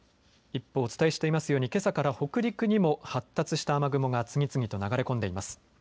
一方、お伝えしていますようにけさから北陸にも発達した雨雲が次々と流れ込んでいます。